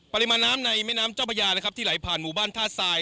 ปริมาณน้ำในแม่น้ำเจ้าพระยานะครับที่ไหลผ่านหมู่บ้านท่าทราย